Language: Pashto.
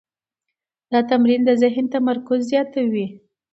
دا تمرین د ذهن تمرکز زیاتوي.